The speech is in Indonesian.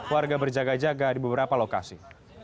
warga berjaga jaga di beberapa lokasi